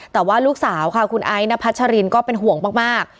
แต่ว่าลูกสาวค่ะคุณไอ้นพัชรินก็เป็นห่วงมาก